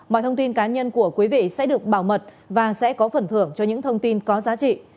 mọi thông tin cá nhân của quý vị sẽ được bảo mật và sẽ có phần thưởng cho những thông tin có giá trị